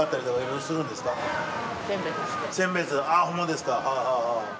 選別ホンマですか。